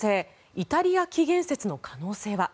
イタリア起源説の可能性は？